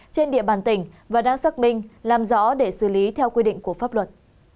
trên địa bàn tỉnh và đã xác minh làm rõ để xử lý theo quy định của pháp luật